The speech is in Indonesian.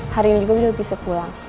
hari ini juga sudah bisa pulang